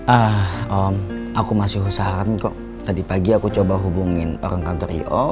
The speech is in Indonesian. ah aku masih usahakan kok tadi pagi aku coba hubungin orang kantor io